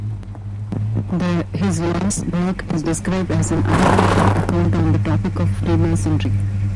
His last work is described as an unreliable account on the topic of Freemasonry.